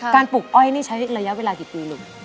ปลูกอ้อยนี่ใช้ระยะเวลากี่ปีลูก